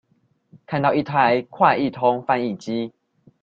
看到一台快譯通翻譯機